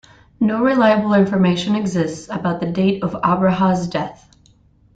No reliable information exists about the date of 'Abraha's death.